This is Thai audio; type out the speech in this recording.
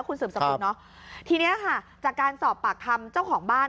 คุณสืบสกุลเนอะทีเนี้ยค่ะจากการสอบปากคำเจ้าของบ้าน